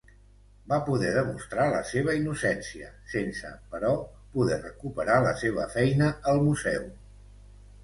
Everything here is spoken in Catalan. Va poder demostrar la seva innocència, sense, però, poder recuperar la seva feina al Museu.